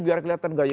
biar kelihatan enggak